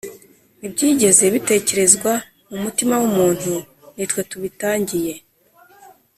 Ntibyigeze bitekerezwa mu mutima w’umuntu ni twe tubitangiye